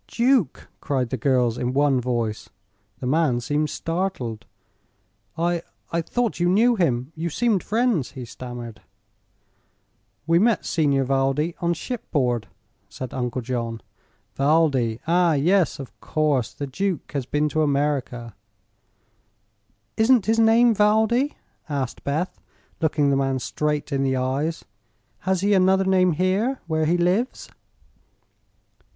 "Duke!" cried the girls, in one voice. The man seemed startled. "I I thought you knew him; you seemed friends," he stammered. "We met Signor Valdi on shipboard," said Uncle John. "Valdi? Ah, yes; of course; the duke has been to America." "Isn't his name Valdi?" asked Beth, looking the man straight in the eyes. "Has he another name here, where he lives?"